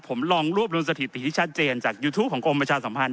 ผมลองรวบรวมสถิติที่ชัดเจนจากยูทูปของกรมประชาสัมพันธ